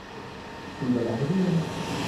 Semoga bahagia!